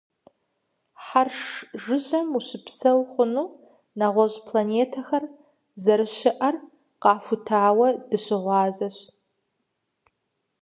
Хьэрш жыжьэм ущыпсэу хъуну, нэгъуэщӀ планетэхэр зэрыщыӀэр къахутауэ дыщыгъуазэщ.